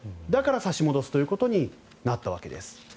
だから、差し戻すということになったんです。